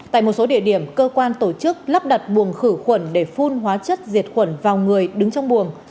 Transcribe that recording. tại một số địa điểm cơ quan tổ chức lắp đặt buồng khử khuẩn để phun hóa chất diệt khuẩn vào người đứng trong buồng